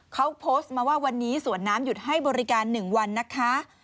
เขาโพสต์มาว่าวันนี้สวนน้ำหยุดให้บริการ๑วันนะคะ